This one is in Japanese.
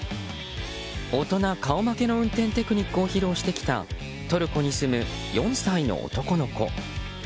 大人顔負けの運転テクニックを披露してきたトルコに住む４歳の男の子。